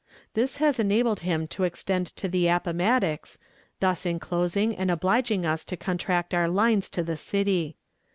This has enabled him to extend to the Appomattox, thus inclosing and obliging us to contract our lines to the city.